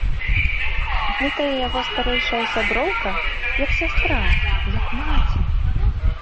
Гэтая яго старэйшая сяброўка, як сястра, як маці!